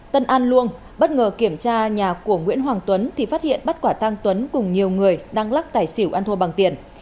tân an luông bất ngờ kiểm tra nhà của nguyễn hoàng tuấn thì phát hiện bắt quả tăng tuấn cùng nhiều người đang lắc tài xỉu ăn thua bằng tiền